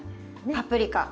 パプリカ。